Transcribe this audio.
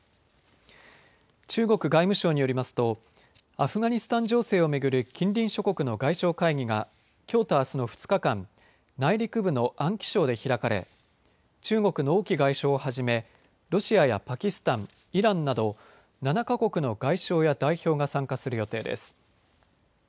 中国外務省によりますとアフガニスタン情勢を巡る近隣諸国の外相会議がきょうとあすの２日間、内陸部の安徽省で開かれ中国の王毅外相をはじめ、ロシアやパキスタン、イランなど７か国の外相や代表が参加する予定です。